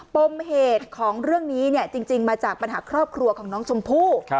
ปมเหตุของเรื่องนี้จริงมาจากปัญหาครอบครัวของน้องชมพู่